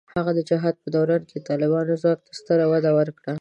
هغه د جهاد په دوران کې د طالبانو ځواک ته ستره وده ورکړه.